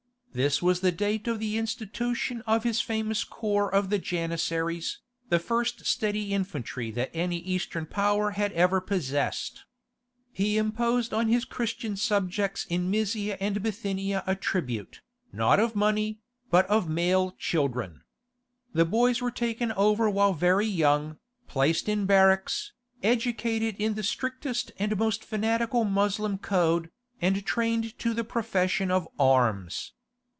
This was the date of the institution of his famous corps of the Janissaries, the first steady infantry that any Eastern power had ever possessed. He imposed on his Christian subjects in Mysia and Bithynia a tribute, not of money, but of male children. The boys were taken over while very young, placed in barracks, educated in the strictest and most fanatical Moslem code, and trained to the profession of arms.